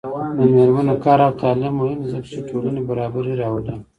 د میرمنو کار او تعلیم مهم دی ځکه چې ټولنې برابري راولي.